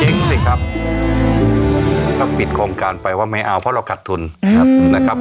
สิครับต้องปิดโครงการไปว่าไม่เอาเพราะเราขัดทุนนะครับ